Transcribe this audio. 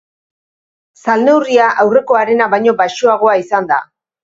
Salneurria aurrekoarena baino baxuagoa izan da.